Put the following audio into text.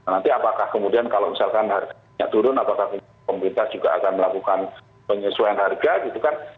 nanti apakah kemudian kalau misalkan harga minyak turun apakah pemerintah juga akan melakukan penyesuaian harga gitu kan